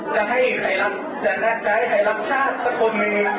จะให้ใครรับจะใช้ใครรับชาติสักคนหนึ่ง